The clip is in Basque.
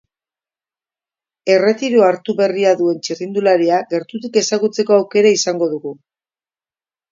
Erretiroa hartu berri duen txirrindularia gertutik ezagutzeko aukera izango dugu.